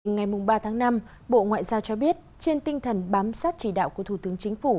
ngày ba tháng năm bộ ngoại giao cho biết trên tinh thần bám sát chỉ đạo của thủ tướng chính phủ